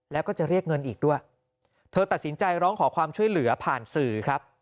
แล้วก็จะเรียกเงินอีกด้วยเธอตัดสินใจร้องขอความช่วยเหลือผ่านสื่อครับ